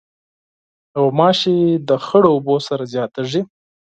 غوماشې د خړو اوبو سره زیاتیږي.